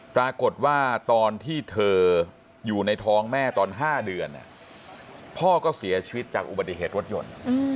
ตอนที่เธออยู่ในท้องแม่ตอน๕เดือนพ่อก็เสียชีวิตจากอุบัติเหตุรถยนต์